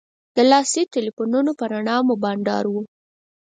د لاسي تیلفونو په رڼا مو بنډار و.